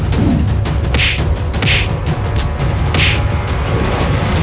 bercut tiba tiba itu